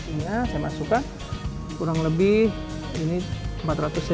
ini saya masukkan kurang lebih empat ratus cc